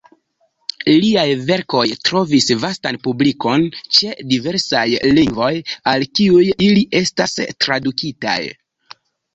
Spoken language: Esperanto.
Liaj verkoj trovis vastan publikon ĉe diversaj lingvoj al kiuj ili estis tradukitaj.